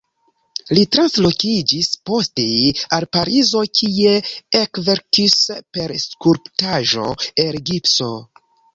Li translokiĝis poste al Parizo kie ekverkis per skulptaĵo el gipso.